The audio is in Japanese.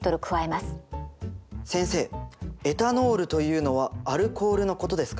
先生エタノールというのはアルコールのことですか？